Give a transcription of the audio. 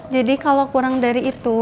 jadi kalau kurang dari itu